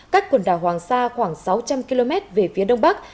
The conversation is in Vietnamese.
cách quần đảo hoàng sa khoảng sáu trăm linh km về phía đông bắc